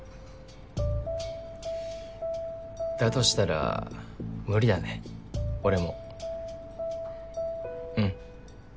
だとしたら無理だね俺も。うん。